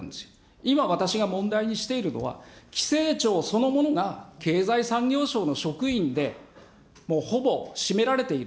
今私が問題にしているのは、規制庁そのものが経済産業省の職員で、もう、ほぼ占められている。